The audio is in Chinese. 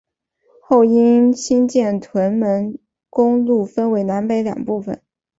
后因兴建屯门公路分为南北两部份。